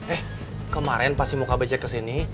eh kemarin pas si muka becek kesini